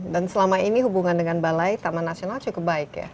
dan selama ini hubungan dengan balai taman nasional cukup baik ya